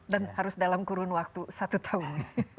dan harus dalam kurun waktu satu tahun